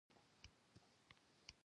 بله چاره یې نه درلوده.